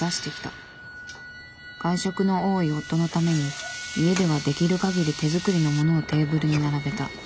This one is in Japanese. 外食の多い夫のために家ではできるかぎり手作りのものをテーブルに並べた。